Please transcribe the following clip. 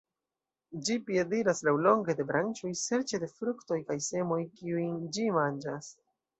Ĝi piediras laŭlonge de branĉoj serĉe de fruktoj kaj semoj kiujn ĝi manĝas.